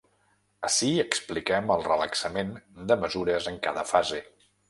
Ací expliquem el relaxament de mesures en cada fase.